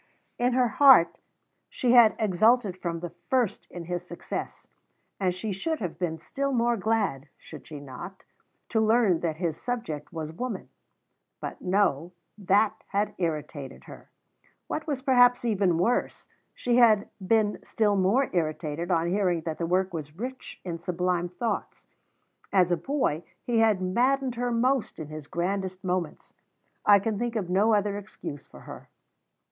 In her heart she had exulted from the first in his success, and she should have been still more glad (should she not?) to learn that his subject was woman; but no, that had irritated her. What was perhaps even worse, she had been still more irritated on hearing that the work was rich in sublime thoughts. As a boy, he had maddened her most in his grandest moments. I can think of no other excuse for her.